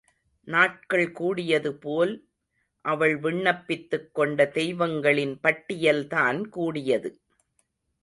நாட்கள் கூடியதுபோல் அவள் விண்ணப்பித்துக் கொண்ட தெய்வங்களின் பட்டியல்தான் கூடியது.